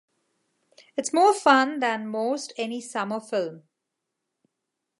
It's more fun than most any summer film.